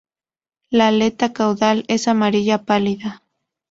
La aleta caudal es amarilla pálida.